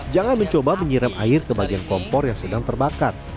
jangan mencoba menyiram air ke bagian kompor yang sedang terbakar